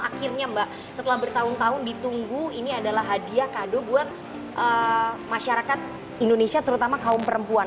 akhirnya mbak setelah bertahun tahun ditunggu ini adalah hadiah kado buat masyarakat indonesia terutama kaum perempuan